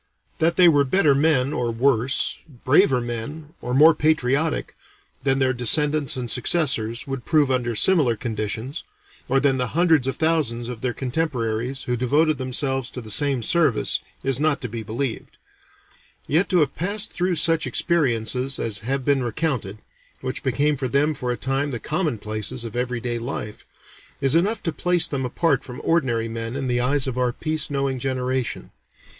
That they were better men, or worse, braver men, or more patriotic, than their descendants and successors would prove under similar conditions, or than the hundreds of thousands of their contemporaries who devoted themselves to the same service, is not to be believed; yet to have passed through such experiences as have been recounted, which became for them for a time the commonplaces of every day life, is enough to place them apart from ordinary men in the eyes of our peace knowing generation.